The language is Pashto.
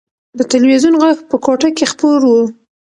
د تلویزون غږ په کوټه کې خپور و.